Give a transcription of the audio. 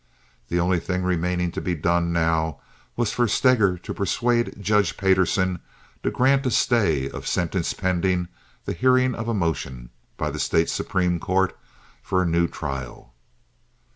The only thing remaining to be done now was for Steger to persuade Judge Payderson to grant a stay of sentence pending the hearing of a motion by the State Supreme Court for a new trial.